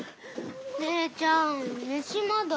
ねえちゃん飯まだ？